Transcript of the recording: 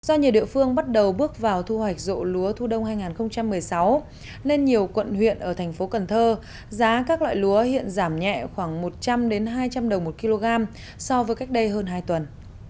do nhiều địa phương bắt đầu bước vào thu hoạch rộ lúa thu đông hai nghìn một mươi sáu nên nhiều quận huyện ở thành phố cần thơ giá các loại lúa hiện giảm nhẹ khoảng một trăm linh hai trăm linh đồng một kg so với cách đây hơn hai tuần